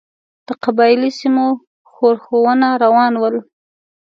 د قبایلي سیمو ښورښونه روان ول.